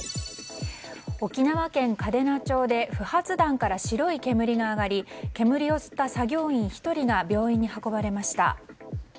沖縄県嘉手納町で不発弾から白い煙が上がり煙を吸った作業員１人が病院に運ばれました。